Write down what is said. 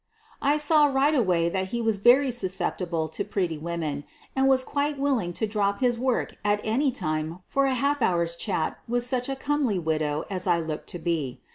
I saw right away that he was very susceptible to pretty women and was quite willing to drop his work at any time for a half hour's chat with such a comely widow as I looked to be.